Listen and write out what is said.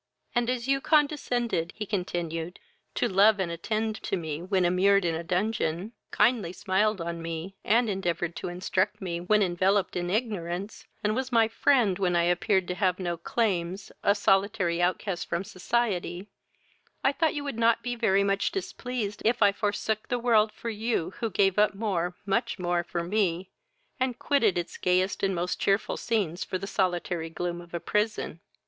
"And, as you condescended, (he continued,) to love and attend to me when immured in a dungeon, kindly smiled on me, and endeavoured to instruct me when enveloped in ignorance, and was my friend when I appeared to have no claims, a solitary outcast from society, I thought you would not be very much displeased if I forsook the world for you, who gave up more, much more, for me, and quitted its gayest and most cheerful scenes for the solitary gloom of a prison.